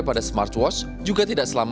dengan penyelesaian yang lebih cepat